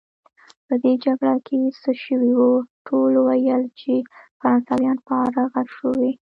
په دې جګړه کې څه شوي وو؟ ټولو ویل چې فرانسویان فارغه شوي.